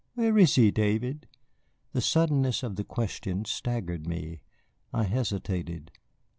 "Where is he, David?" The suddenness of the question staggered me; I hesitated.